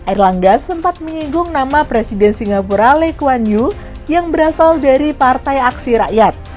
erlangga sempat menyigung nama presiden singapura lekwanyu yang berasal dari partai aksi rakyat